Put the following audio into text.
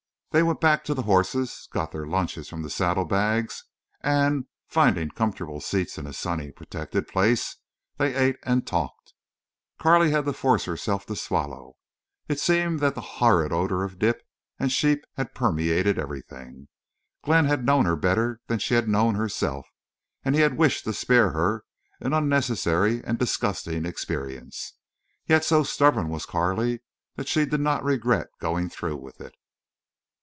They went back to the horses, got their lunches from the saddlebags, and, finding comfortable seats in a sunny, protected place, they ate and talked. Carley had to force herself to swallow. It seemed that the horrid odor of dip and sheep had permeated everything. Glenn had known her better than she had known herself, and he had wished to spare her an unnecessary and disgusting experience. Yet so stubborn was Carley that she did not regret going through with it.